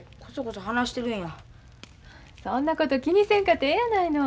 そんなこと気にせんかてええやないの。